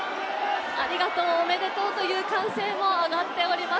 ありがとう、おめでという歓声も上がっております。